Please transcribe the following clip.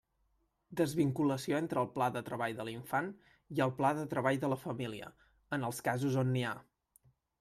Desvinculació entre el pla de treball de l'infant i el pla de treball de la família, en els casos on n'hi ha.